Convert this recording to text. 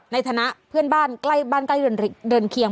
ในฐานะเพื่อนบ้านใกล้บ้านใกล้เดินเคียง